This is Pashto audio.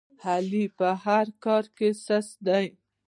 علي په هر کار کې سست دی.